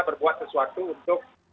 berbuat sesuatu untuk